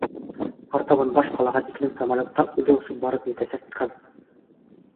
Артабан баш ҡалаға тиклем самолетта үҙе осоп барып етәсәк ҡыҙ.